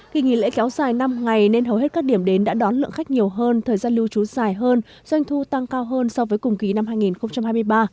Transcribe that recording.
kỳ nghỉ lễ kéo dài năm ngày nên hầu hết các điểm đến đã đón lượng khách nhiều hơn thời gian lưu trú dài hơn doanh thu tăng cao hơn so với cùng kỳ năm hai nghìn hai mươi ba